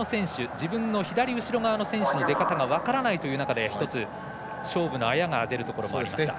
自分の左後ろ側の選手の出方が分からないという中で勝負のあやが出るということもありました。